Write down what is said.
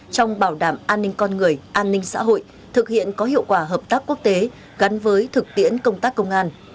trong bảo đảm an ninh con người an ninh xã hội thực hiện có hiệu quả hợp tác quốc tế gắn với thực tiễn công tác công an